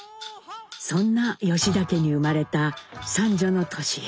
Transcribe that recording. そんな吉田家に生まれた三女の智江。